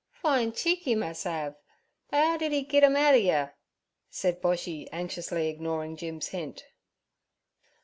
'Fine cheek 'e mus' 'ave; but 'ow did 'e git 'em outer yer?' said Boshy anxiously, ignoring Jim's hint.